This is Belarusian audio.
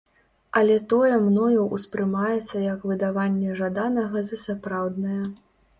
Але тое мною ўспрымаецца як выдаванне жаданага за сапраўднае.